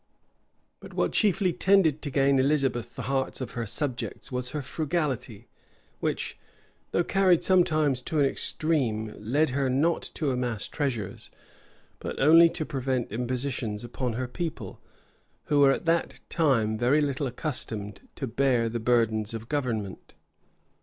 But what chiefly tended to gain Elizabeth the hearts of her subjects, was her frugality, which, though carried sometimes to an extreme, led her not to amass treasures, but only to prevent impositions upon her people, who were at that time very little accustomed to bear the burdens of government.